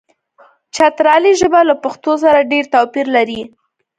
چترالي ژبه له پښتو سره ډېر توپیر لري.